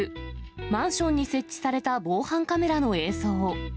マンションに設置された防犯カメラの映像。